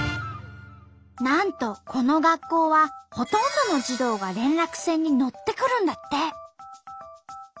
なんとこの学校はほとんどの児童が連絡船に乗って来るんだって。